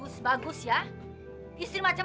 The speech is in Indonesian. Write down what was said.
sekarang aja hasil hasilnyaonom